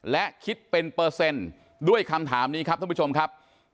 และคิดเป็นเปอร์เซ็นต์ด้วยคำถามนี้ครับท่านผู้ชมครับ